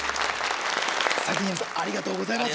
先に言いますありがとうございます。